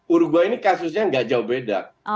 uruguay ini kasusnya tidak jauh beda